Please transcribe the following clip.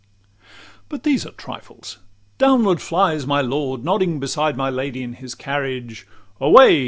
XLVI But these are trifles. Downward flies my lord, Nodding beside my lady in his carriage. Away!